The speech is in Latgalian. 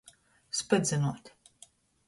Spydzynuot.